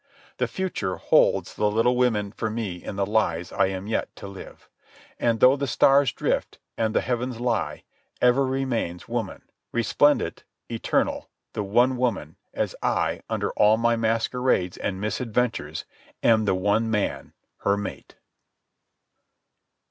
The future holds the little women for me in the lives I am yet to live. And though the stars drift, and the heavens lie, ever remains woman, resplendent, eternal, the one woman, as I, under all my masquerades and misadventures, am the one man, her mate.